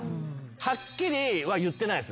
はっきりは言ってないです